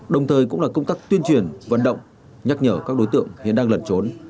đồng thời cũng là công tác tuyên truyền vận động nhắc nhở các đối tượng hiện đang lẩn trốn